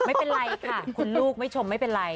ไม่เป็นไรค่ะคุณลูกไม่ชมไม่เป็นไร